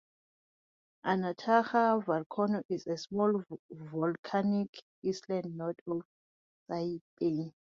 Anatahan Volcano is a small volcanic island north of Saipan.